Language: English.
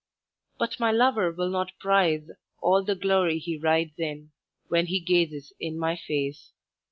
"But my lover will not prize All the glory that he rides in, When he gazes in my face.